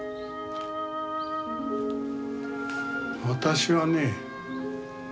私はね